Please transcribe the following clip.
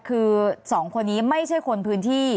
คือ๒คนนี้ไม่ใช่คนพื้นที่